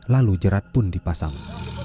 lalu jerat pun dipasang